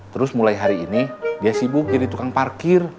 terus mulai hari ini dia sibuk jadi tukang parkir